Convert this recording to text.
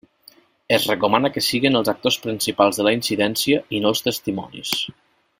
Es recomana que siguen els actors principals de la incidència i no els testimonis.